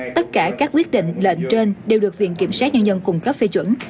tất cả các quyết định lệnh trên đều được viện kiểm sát nhân dân cung cấp phê chuẩn